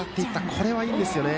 これはいいんですよね。